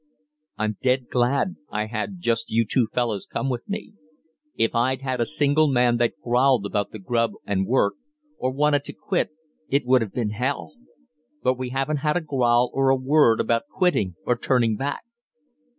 I'm dead glad I had just you two fellows come with me. If I'd had a single man that growled about the grub and work, or wanted to quit, it would have been hell. But we haven't had a growl or a word about quitting or turning back."